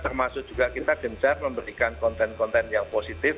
termasuk juga kita gencar memberikan konten konten yang positif